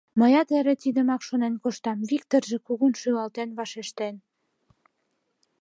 Мыят эре тидымак шонен коштам, — Виктырже кугун шӱлалтен вашештен.